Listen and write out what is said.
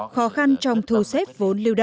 khó khăn trong thu xếp